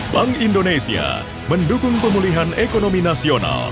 bank indonesia mendukung pemulihan ekonomi nasional